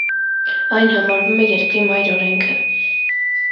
Այն համարվում է երկրի մայր օրենքը։